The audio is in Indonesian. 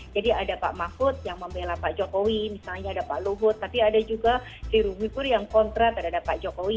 jadi ada pak mahfud yang membela pak jokowi misalnya ada pak luhut tapi ada juga si rumipur yang kontra terhadap pak jokowi